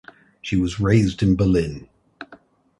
She was raised in Berlin.